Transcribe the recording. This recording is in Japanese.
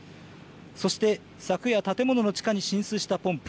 そして、昨夜、建物の地下に浸水したポンプ。